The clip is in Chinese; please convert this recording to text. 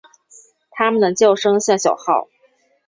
它们的叫声像小号。